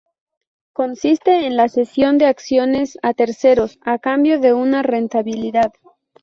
Consiste en la cesión de acciones a terceros a cambio de una rentabilidad.